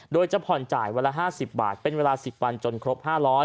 โดยจะผ่อนจ่ายวันละ๕๐บาทเป็นเวลา๑๐วันจนครบ๕๐๐